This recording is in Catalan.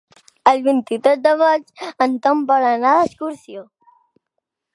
El vint-i-tres de maig en Tom vol anar d'excursió.